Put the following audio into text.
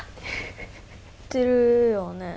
ってるよね。